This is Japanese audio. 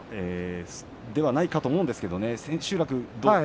ではないかと思うんですが千秋楽は。